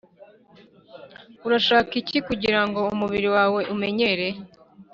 Urashaka iki kugirango umubiri wawe umenyere